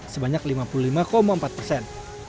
sebanyak lima puluh lima empat persen